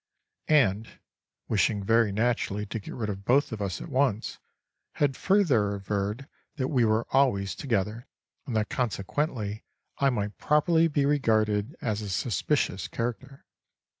and (wishing very naturally to get rid of both of us at once) had further averred that we were always together and that consequently I might properly be regarded as a suspicious character.